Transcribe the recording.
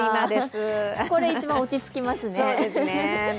これ一番落ち着きますね。